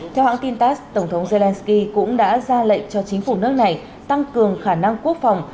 theo hãng tin tass tổng thống zelensky cũng đã ra lệnh cho chính phủ nước này tăng cường khả năng quốc phòng